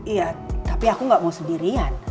iya tapi aku gak mau sendirian